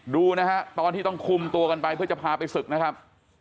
ดูนะฮะตอนที่ต้องคุมตัวกันไปเพื่อจะพาไปศึกนะครับ